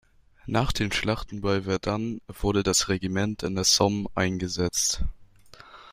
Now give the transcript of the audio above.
Nach den Schlachten bei Verdun wurde das Regiment an der Somme eingesetzt.